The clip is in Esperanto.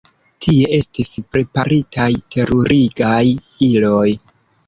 Tie estis preparitaj terurigaj iloj.